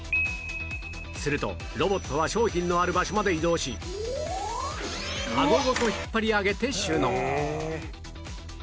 するとロボットは商品のある場所まで移動しカゴごと引っ張り上げて収納